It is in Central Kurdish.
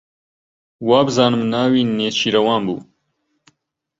وابزانم ناوی نێچیروان بوو.